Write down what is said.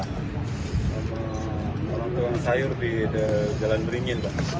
tolong tuang sayur di jalan beringin pak